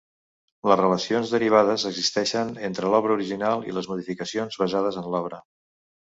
Les relacions derivades existeixen entre l'obra original i les modificacions basades en l'obra.